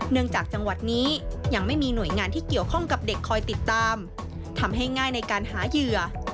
จังหวัดนี้ยังไม่มีหน่วยงานที่เกี่ยวข้องกับเด็กคอยติดตามทำให้ง่ายในการหาเหยื่อ